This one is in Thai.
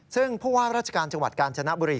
ซึ่งผู้ว่าราชการจังหวัดกาญจนบุรี